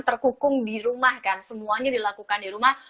terkukung di rumah kan semuanya dilakukan di rumah